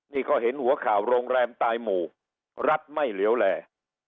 นี่ก็เห็นหัวข่าวโรงแรมตายหมู่รัฐไม่เหลวแล